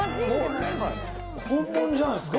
本物じゃないですか。